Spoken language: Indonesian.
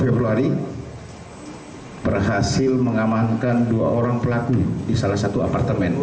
tiga februari berhasil mengamankan dua orang pelaku di salah satu apartemen